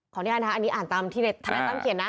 ขออนุญาตนะครับอันนี้อ่านตามที่เน็ตถ้าในตั้มเขียนนะ